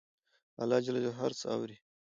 الله ج هر څه اوري